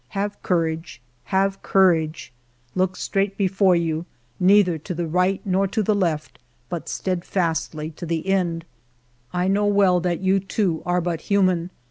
Have courage ; have courage ! Look straight before you, neither to the right nor to the left, but steadfastly to the end. I know well that you, too, are but human.